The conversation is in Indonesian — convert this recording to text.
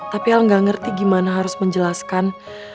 tapi el gak ngerti gimana harus menjelaskan